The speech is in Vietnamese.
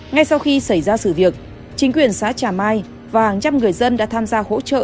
ngay sau khi xảy ra sự việc chính quyền xã trà mai và hàng trăm người dân đã tham gia hỗ trợ